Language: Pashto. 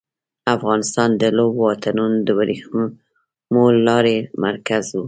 افغانستان د لویو واټونو د ورېښمو لارې مرکز و